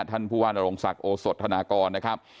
ท่านผู้ว่านโรงศักดิ์โอสดธนากรนะครับ